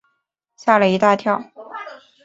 吓了一大跳